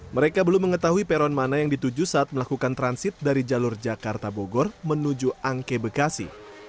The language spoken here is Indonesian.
mereka belum mengetahui peron mana yang dituju saat melakukan transit dari jalur jakarta bogor menuju angke bekasi